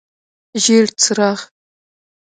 ژیړ څراغ: